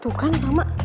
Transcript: tuh kan sama